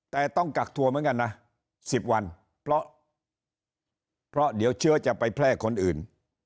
แต่ต้องกักตัวเหมือนกันนะ๑๐วันเพราะเดี๋ยวเชื้อจะไปแพร่คนอื่น